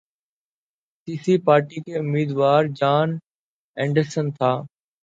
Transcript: تیسری پارٹی کے امیدوار جان اینڈرسن تھا